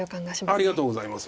ありがとうございます。